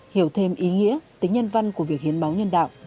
hiểu thêm ý nghĩa tính nhân văn của việc hiến máu nhân đạo